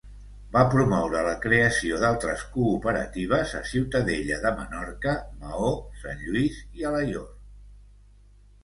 Va promoure la creació d'altres cooperatives a Ciutadella de Menorca, Maó, Sant Lluís i Alaior.